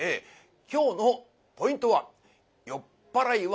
今日のポイントは「酔っ払いは虎と言う」。